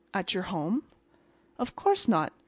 At your home?" "Of course not.